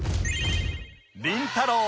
りんたろー。